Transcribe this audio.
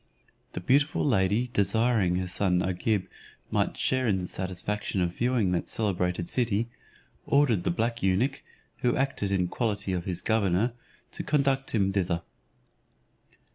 The beautiful lady desiring her son Agib might share in the satisfaction of viewing that celebrated city, ordered the black eunuch, who acted in quality of his governor, to conduct him thither.